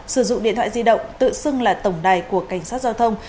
sử dụng điện thoại di động tự xưng là tổng đài của cảnh sát giao thông